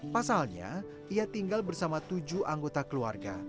pasalnya ia tinggal bersama tujuh anggota keluarga